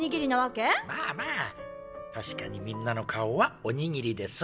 まあまあたしかにみんなの顔はおにぎりです。